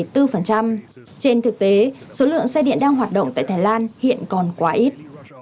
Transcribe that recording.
trên thực tế số lượng xe điện đang hoạt động tại thái lan hiện còn quá ít